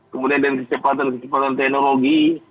kemudian dengan kecepatan kecepatan teknologi